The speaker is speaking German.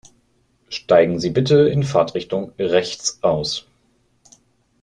Steigen Sie bitte in Fahrtrichtung rechts aus.